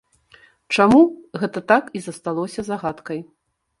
Чаму, гэта так і засталося загадкай.